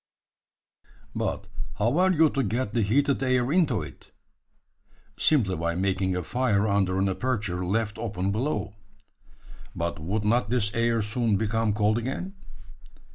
"But how are you to get the heated air into it?" "Simply by making a fire under an aperture left open below." "But would not this air soon become cold again?"